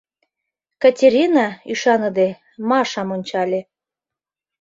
— Катерина, ӱшаныде, Машам ончале...